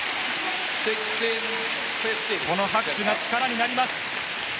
拍手が力になります。